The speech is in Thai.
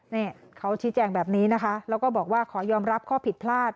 นี่เขาชี้แจงแบบนี้นะคะแล้วก็บอกว่าขอยอมรับข้อผิดพลาด